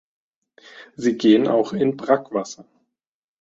Sie gehen auch in Brackwasser.